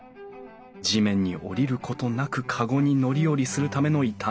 地面に降りることなくかごに乗り降りするための板の間。